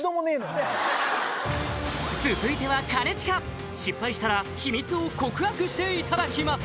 続いては兼近失敗したら秘密を告白していただきます